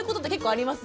あります？